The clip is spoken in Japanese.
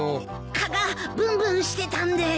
蚊がブンブンしてたんで。